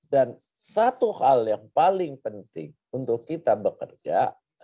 dan satu hal yang paling penting untuk kita bekerja